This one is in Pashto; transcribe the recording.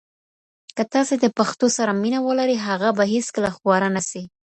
که تاسي د پښتو سره مینه ولرئ هغه به هیڅکله خواره نه سي.